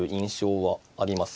はい。